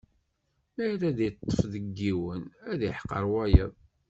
Mi ara ad iṭṭef deg yiwen, ad iḥqer wayeḍ.